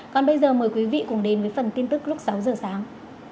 còn bây giờ mời quý vị cùng đến với phần tin tức lúc sáu giờ sáng